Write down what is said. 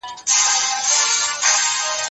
چټک دوران د اقتصادي ودې افاده څرګنده کړه.